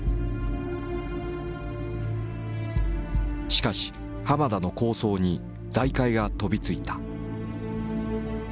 しかし浜田の構想に財界が飛びついた。